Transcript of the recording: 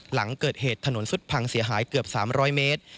หลังเกิดเหตุถนนสุดพังเสียหายเกือบ๓๐๐เมตร